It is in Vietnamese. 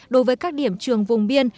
đối với các điểm trường vùng biên